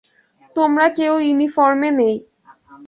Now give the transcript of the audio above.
তোমরা কেউ ইউনিফর্মে নেই।